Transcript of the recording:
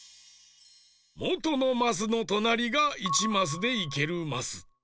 もとのマスのとなりが１マスでいけるマス。